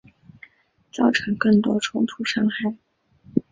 造成更多冲突伤害